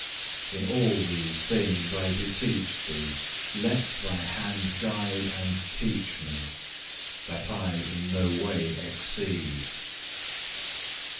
In all these things, I beseech Thee, let Thy hand guide and teach me, that I in no way exceed.